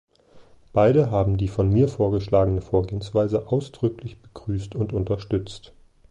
Beide haben die von mir vorgeschlagene Vorgehensweise ausdrücklich begrüßt und unterstützt.